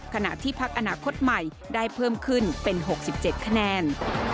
ขณะที่พักอนาคตใหม่ได้เพิ่มขึ้นเป็น๖๗คะแนน